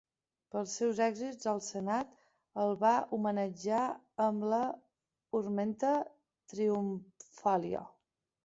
Pels seus èxits, el senat el va homenatjar amb la "ornamenta triumphalia".